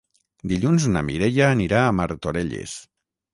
Dilluns na Mireia anirà a Martorelles.